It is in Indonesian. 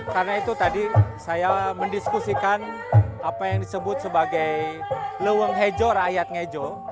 karena itu tadi saya mendiskusikan apa yang disebut sebagai leweng hejo rakyat ngejo